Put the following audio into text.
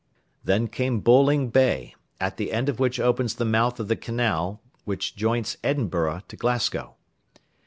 Then came Bouling Bay, at the end of which opens the mouth of the canal which joints Edinburgh to Glasgow.